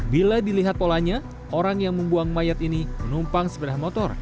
bila dilihat polanya orang yang membuang mayat ini menumpang sepeda motor